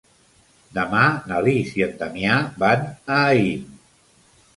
Demà na Lis i en Damià van a Aín.